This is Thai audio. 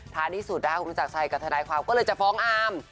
ท้ายที่สุดนะคะคุณจักรชัยกับทนายความก็เลยจะฟ้องอาม